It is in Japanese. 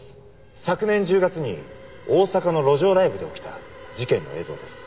昨年１０月に大阪の路上ライブで起きた事件の映像です。